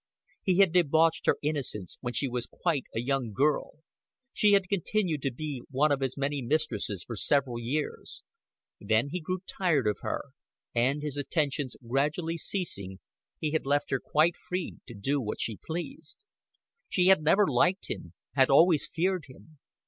He had debauched her innocence when she was quite a young girl; she had continued to be one of his many mistresses for several years; then he grew tired of her, and, his attentions gradually ceasing, he had left her quite free to do what she pleased. She had never liked him, had always feared him.